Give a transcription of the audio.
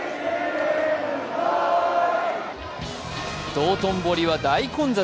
道頓堀は大混雑。